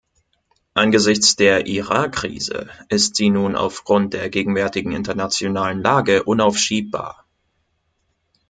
Angesichts der Irak-Krise ist sie nun aufgrund der gegenwärtigen internationalen Lage unaufschiebbar.